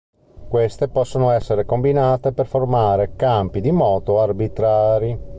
Queste possono essere combinate per formare campi di moto arbitrari.